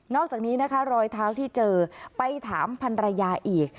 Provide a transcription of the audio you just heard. อกจากนี้นะคะรอยเท้าที่เจอไปถามพันรยาอีก